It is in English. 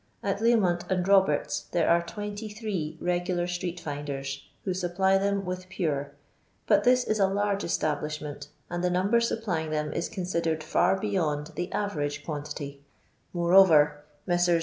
At Leomont and UoberU's there are 23 re gular stree^finders, who supply them with pure, but this is a large establishment, and the number supplying them is considered far beyond the avero};e quantity ; moreover, Messrs.